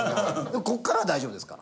ここからは大丈夫ですから。